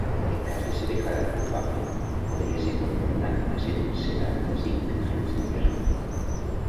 En cas de ser declarat culpable, podria ser condemnat a cent setanta-cinc anys de presó.